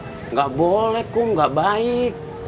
tidak boleh kum tidak baik